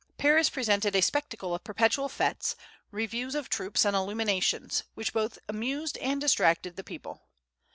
Paris presented a spectacle of perpetual fêtes, reviews of troops, and illuminations, which both amused and distracted the people.